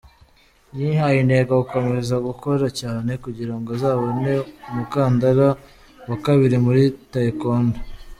Yihaye intego gukomeza gukora cyane kugirango azabone umukandara wa kabiri muri Taekwondo.